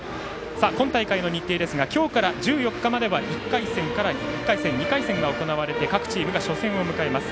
今大会の日程ですが今日から１４日までは１回戦から２回戦が行われて各チームが初戦を迎えます。